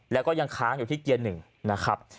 แล้วก็ยังค้างอยู่ที่เกียร์๑นะครับ